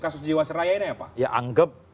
kasus jiwa seraya ini apa ya anggap